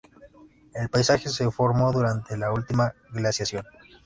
El paisaje se formó durante la última glaciación.